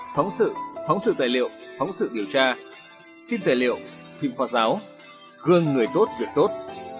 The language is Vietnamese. phóng sự phóng sự tài liệu phóng sự điều tra phim tài liệu phim khoa giáo gương người tốt việc tốt